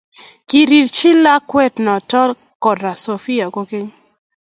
Kirikchi lakwanoto Kora Sifichi kokeny